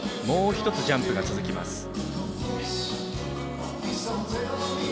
もう１つジャンプが続きます。